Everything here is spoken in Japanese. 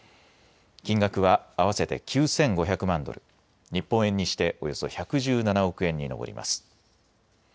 金額は合わせて９５００万ドル、日本円にしておよそ１１７億円に上ります。